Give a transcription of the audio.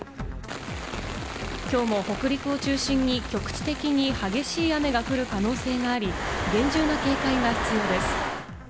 きょうも北陸を中心に局地的に激しい雨が降る可能性があり、厳重な警戒が必要です。